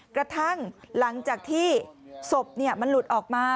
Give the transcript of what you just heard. กระทั่งหลังจากที่ศพมันหลุดออกมา